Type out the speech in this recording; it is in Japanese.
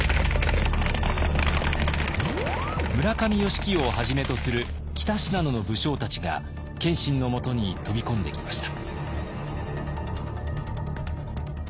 村上義清をはじめとする北信濃の武将たちが謙信のもとに飛び込んできました。